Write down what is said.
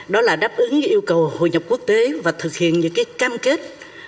đó là đáp ứng yêu cầu hội nhập quốc tế và thực hiện những cam kết